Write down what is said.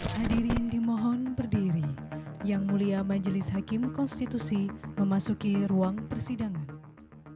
hadirin dimohon berdiri yang mulia majelis hakim konstitusi memasuki ruang persidangan